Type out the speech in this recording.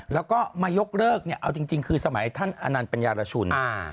แล้วก็มายกเลิกเนี่ยเอาจริงคือสมัยท่านอนันต์ปัญญารชุน